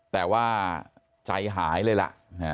แต่ว่าใจหายเลยล่ะ